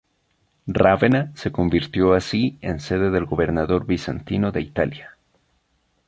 Rávena se convirtió así en sede del gobernador bizantino de Italia.